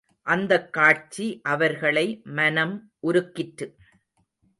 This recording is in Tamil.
அந்தக் காட்சி அவர்களை மனம் உருக்கிற்று.